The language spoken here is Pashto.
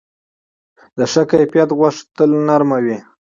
د ښه کیفیت غوښه تل نرم وي.